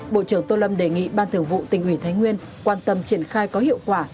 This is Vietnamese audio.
bộ trưởng tô lâm đề nghị ban thường vụ tỉnh ủy thái nguyên quan tâm triển khai có hiệu quả